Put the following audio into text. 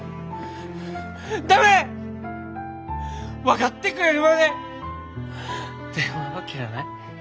分かってくれるまで電話は切らない。